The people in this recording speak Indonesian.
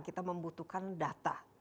kita membutuhkan data